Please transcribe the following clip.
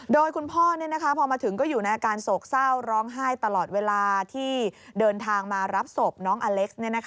โดยคุณพ่อพอมาถึงก็อยู่ในอาการโศกเศร้าร้องไห้ตลอดเวลาที่เดินทางมารับศพน้องอเล็กซ์